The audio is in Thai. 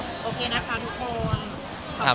อะได้อะนะครับ